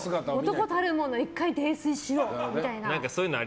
男たるもの１回泥酔しろみたいな。